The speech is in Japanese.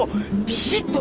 びしっと。